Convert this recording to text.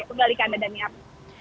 kembalikan anda dhaniap